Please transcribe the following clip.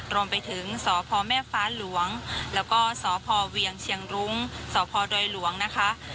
รวมไปถึงสพแม่ฟ้าหลวงแล้วก็สพเวียงเชียงรุ้งสพดอยหลวงนะคะ